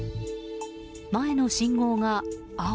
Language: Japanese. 前の信号が青。